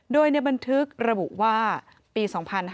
โดยในบันทึกระบุว่าปี๒๕๕๙